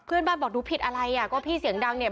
เพื่อนบ้านบอกดูผิดอะไรอะก็พี่เสียงดังเนี่ย